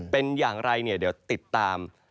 เป็นอย่างไรเดี๋ยวติดตาม